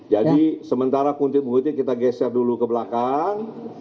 jadi sementara kuntin kuntin kita geser dulu ke belakang